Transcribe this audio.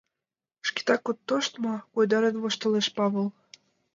— Шкетак от тошт мо? — койдарен воштылеш Павыл.